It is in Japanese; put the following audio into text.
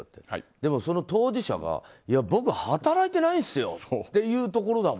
でも、その当事者が僕、働いてないんですよ